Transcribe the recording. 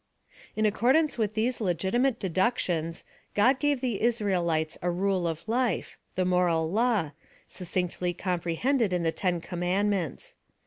In accordance with these legitimate deductions, God gave the Israelites a rule of life — the Moral Law — succinctly comprehended in the Ten Com mandments.